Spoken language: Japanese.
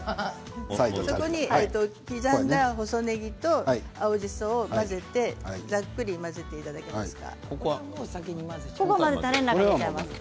刻んだ細ねぎと青じそをざっくり混ぜていただけますか。